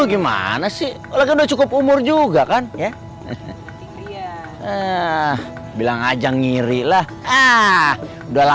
gimana sih udah cukup umur juga kan eh bilang ajang ngiri lah hah udah lamas jomblo akut hahaha